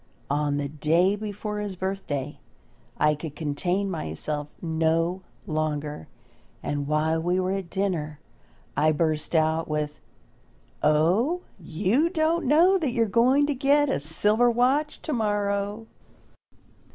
On the day before his birthday I could contain myself no longer and while we were at dinner I burst out with, "Oh, you don't know that you are going to get a silver watch to morrow!"